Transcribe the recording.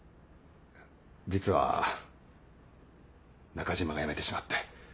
実は中嶋が辞めてしまって。